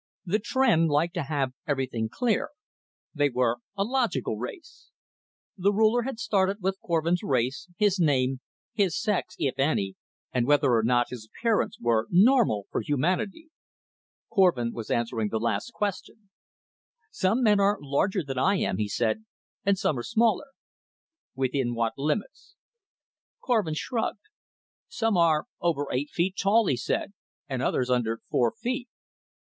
The Tr'en liked to have everything clear. They were a logical race. The Ruler had started with Korvin's race, his name, his sex if any and whether or not his appearance were normal for humanity. Korvin was answering the last question. "Some men are larger than I am," he said, "and some are smaller." "Within what limits?" Korvin shrugged. "Some are over eight feet tall," he said, "and others under four feet."